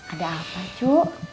ada apa cu